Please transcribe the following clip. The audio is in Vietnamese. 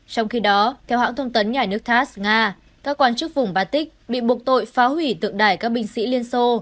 trong khi đó theo hãng thông tấn nhà nước tas nga các quan chức vùng batic bị buộc tội phá hủy tượng đài các binh sĩ liên xô